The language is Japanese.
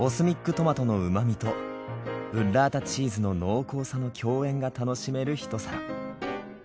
トマトの旨味とブッラータチーズの濃厚さの共演が楽しめる一皿。